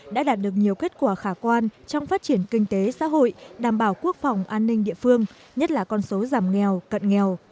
đã đạt được nhiều kết quả khả quan trong phát triển kinh tế xã hội đảm bảo quốc phòng an ninh địa phương nhất là con số giảm nghèo cận nghèo